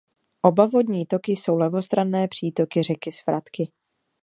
Oba vodní toky jsou levostranné přítoky řeky Svratky.